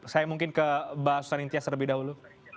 saya mungkin ke mbak sarintia terlebih dahulu